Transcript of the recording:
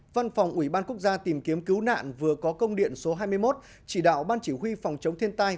văn phòng ủy ban quốc gia tìm kiếm cứu nạn vừa có công điện số hai mươi một chỉ đạo ban chỉ huy phòng chống thiên tai